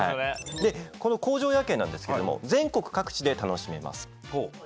でこの工場夜景なんですけども全国各地で楽しめます。